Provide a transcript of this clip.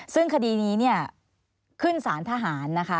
ซึ่งคดีนี้ขึ้นสารทหาร